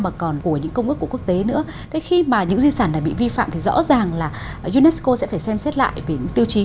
mà những di sản đã bị vi phạm thì rõ ràng là unesco sẽ phải xem xét lại về những tiêu chí